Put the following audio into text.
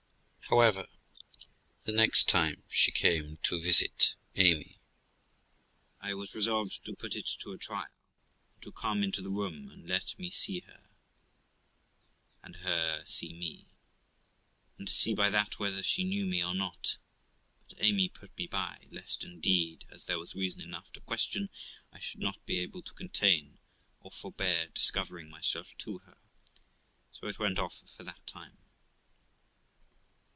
However, the next time she came to visit Amy, I was resolved to put it to a trial, and to come into the room and let her see me, and to see by that whether she knew me or not; but Amy put me by, lest indeed, as there was reason enough to question, I should not be able to contain, or forbear discovering myself to her; so it went off for that time.